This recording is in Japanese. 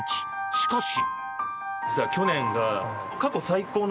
しかし。